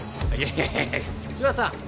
いやいや柴田さん